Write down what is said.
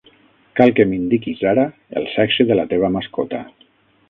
Cal que m'indiquis ara el sexe de la teva mascota.